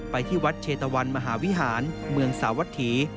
ที่วัดเชตะวันมหาวิหารเมืองสาวัตถี